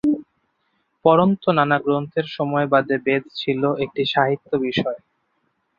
পরন্তু নানা গ্রন্থের সমবায়ে বেদ ছিল একটি সাহিত্য-বিশেষ।